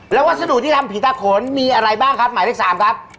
แล้ววัสดุที่ทำผีตาขนมีอะไรบ้างครับหมายเลข๓ครับ